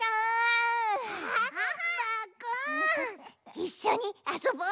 いっしょにあそぼう！